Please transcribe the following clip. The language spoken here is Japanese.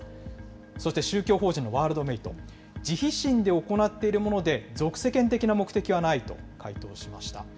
そして、宗教法人のワールドメイト、慈悲心で行っているもので、俗世間的な目的はないと回答しました。